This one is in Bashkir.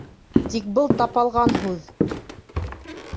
Тик был тапалған һүҙ!